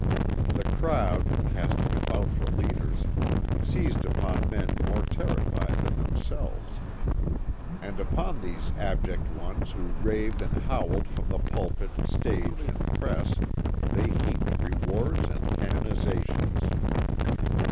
The crowd, casting about for leaders, seized upon men more terrified than themselves. And upon these abject ones who raved and howled from the pulpit, stage and press, they heaped rewards and canonizations.